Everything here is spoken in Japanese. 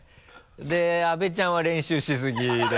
で阿部ちゃんは練習しすぎで。